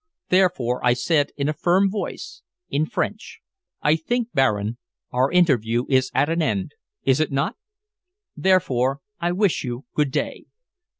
Therefore I said in a firm voice, in French "I think, Baron, our interview is at an end, is it not? Therefore I wish you good day."